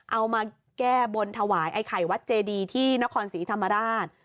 เอามาแก้บนถวายไอ้ไข่วัดเจดีที่นครศรีธรรมราช